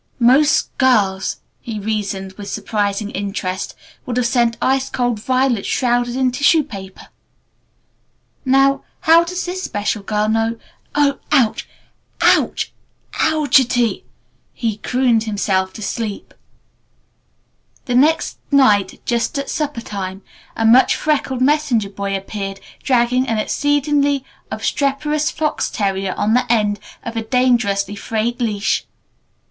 "Most girls," he reasoned with surprising interest, "would have sent ice cold violets shrouded in tissue paper. Now, how does this special girl know Oh, Ouch! O u c h! O u c h i t y!" he crooned himself to sleep. The next night just at supper time a much freckled messenger boy appeared dragging an exceedingly obstreperous fox terrier on the end of a dangerously frayed leash.